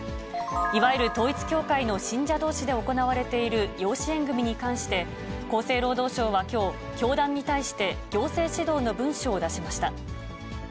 いわゆる統一教会の信者どうしで行われている養子縁組に関して厚生労働省はきょう、教団に対して、行政指導の文書を出しました。